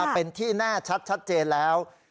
เป็นที่แน่ชัดเจนแล้ว